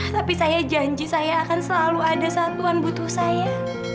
tapi saya janji saya akan selalu ada satuan butuh saya